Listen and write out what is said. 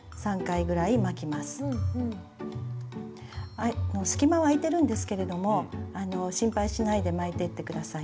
はい隙間は空いてるんですけれども心配しないで巻いていってください。